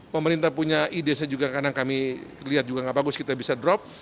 pemerintah punya ide sejuga karena kami lihat juga tidak bagus kita bisa drop